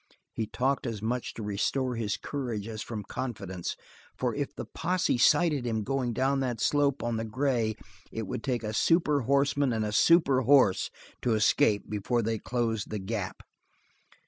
He talked as much to restore his courage as from, confidence, for if the posse sighted him going down that slope on the gray it would take a super horseman and a super horse to escape before they closed the gap.